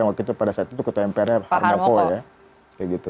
waktu itu pada saat itu ketua mprnya pak harmoko